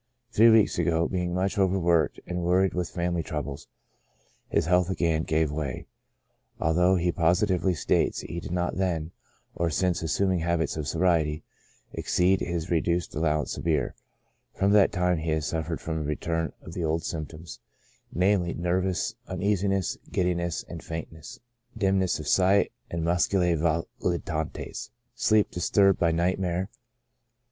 Three weeks ago, being much overworked and worried with family troubles, his health again gave way, although he pos itively states he did not then, or since assuming habits of sobriety, exceed his reduced allowance of beer. From that time he has suffered from a return of the old symptoms, namely, nervous uneasiness, giddiness and faintness, dim ness of sight, and muscae volitantes. Sleep disturbed by nightmare.